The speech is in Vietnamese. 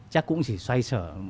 chắc cũng chỉ xoay xở